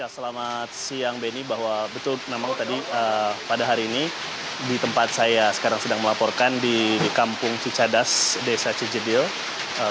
selamat siang benny bahwa betul memang tadi pada hari ini di tempat saya sekarang sedang melaporkan di kampung cicadas desa cijedil